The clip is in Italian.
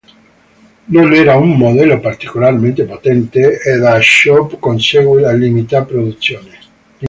Non era un modello particolarmente potente, e da ciò conseguì la limitata produzione.